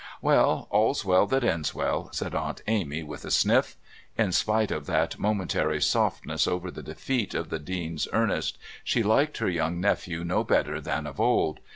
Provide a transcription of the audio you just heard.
"Well, all's well that ends well," said Aunt Amy, with a sniff. In spite of that momentary softness over the defeat of the Dean's Ernest she liked her young nephew no better than of old.